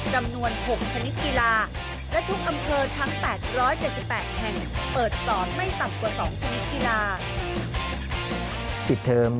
จำนวน๖ชนิดกีฬาและทุกอำเภอทั้ง๘๗๘แห่งเปิดสอนไม่ต่ำกว่า๒ชนิดกีฬา